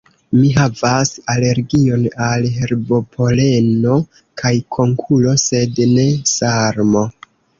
Mi havas alergion al herbopoleno kaj konkulo, sed ne salmo.